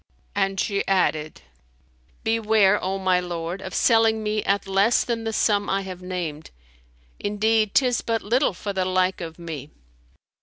'" And she added, "Beware, O my lord, of selling me at less than the sum I have named; indeed 'tis but little for the like of me."